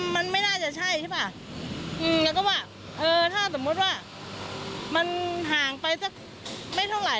ไม่น่าจะใช่ใช่ป่ะน่ะก็ว่าถ้าสมมติว่ามันห่างไปไม่เท่าไหร่